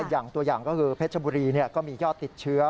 อย่างตัวอย่างก็คือเพชรบุรีก็มียอดติดเชื้อ